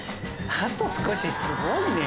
あと少しすごいね。